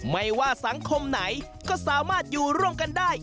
ไม่ว่าสังคมไหนก็สามารถอยู่ร่วมกันได้